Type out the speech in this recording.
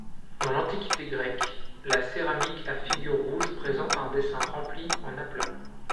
Dans l'Antiquité grecque, la céramique à figures rouges présente un dessin rempli en aplat.